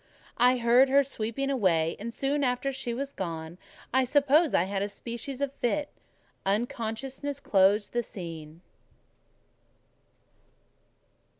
I heard her sweeping away; and soon after she was gone, I suppose I had a species of fit: unconsciousness closed the scene.